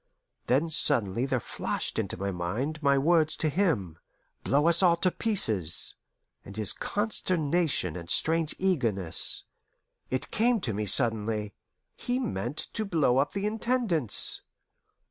Then suddenly there flashed into my mind my words to him, "blow us all to pieces," and his consternation and strange eagerness. It came to me suddenly: he meant to blow up the Intendance.